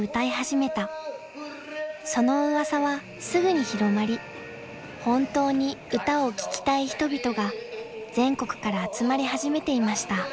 ［その噂はすぐに広まり本当に歌を聴きたい人々が全国から集まり始めていました］